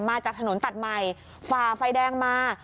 มาจากถนนตัดใหม่ฝ่าไฟแดงมา